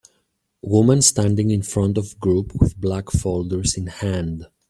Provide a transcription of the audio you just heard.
Woman standing in front of group with black folders in hand.